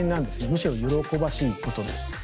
むしろ喜ばしいことです。